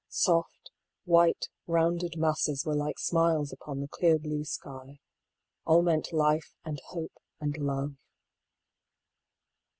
Soft, white rounded masses were like smiles upon the clear blue sky : all meant life and hope and love.